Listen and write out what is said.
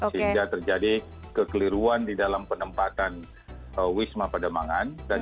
sehingga terjadi kekeliruan di dalam penempatan wisma pademangan